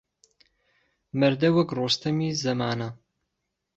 مەرده وهک ڕۆستهمی زهمانه